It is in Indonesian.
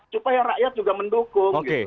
supaya rakyat juga mendukung